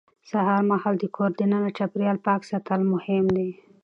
سهار مهال د کور دننه چاپېریال پاک ساتل مهم دي